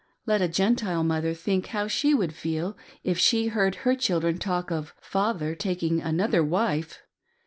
Let a Gentile mother think how she would feel if she heard her children talk of " Father taking another wife